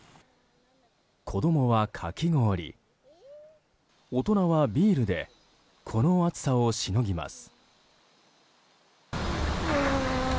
子供はかき氷大人はビールでこの暑さをしのぎます。